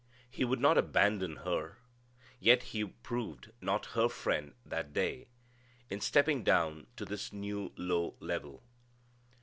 He would not abandon her? Yet he proved not her friend that day, in stepping down to this new low level.